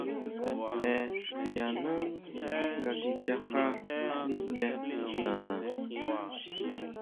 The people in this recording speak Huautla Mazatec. Je yanú nga kichajá ndí nana.